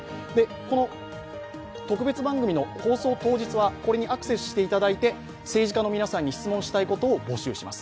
この特別番組の放送当日はこれにアクセスしていただいて、政治家の皆さんに質問したいことを募集します。